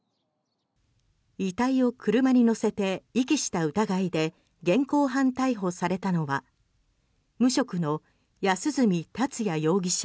遺体を車に乗せて遺棄した疑いで現行犯逮捕されたのは無職の安栖達也容疑者